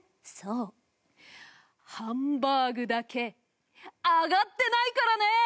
そうハンバーグだけアガってないからね！